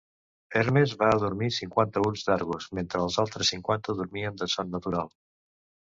Hermes va adormir cinquanta ulls d'Argos, mentre els altres cinquanta dormien de son natural.